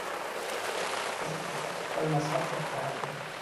زه به احمد ته خپل مذهب ور ښکاره کړم.